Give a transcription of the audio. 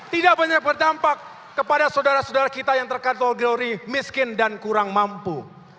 tidak banyak berdampak kepada saudara saudara kita yang terkantol geori miskin dan kurang mampu